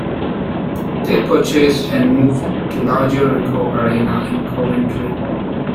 They purchased and moved to the larger Ricoh Arena in Coventry.